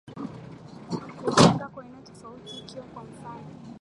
kujenga kwa aina tofauti Ikiwa kwa mfano